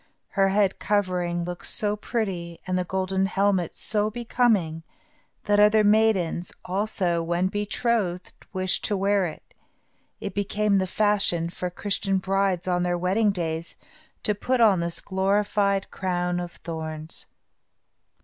Her head covering looked so pretty, and the golden helmet was so becoming, that other maidens, also, when betrothed, wished to wear it. It became the fashion for Christian brides, on their wedding days, to put on this glorified crown of thorns.